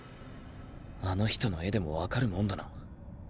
あの人の絵でも分かるもんだな。